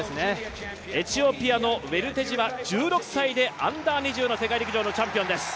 エチオピアのウェルテジは１６歳でＵ２０の世界陸上のチャンピオンです。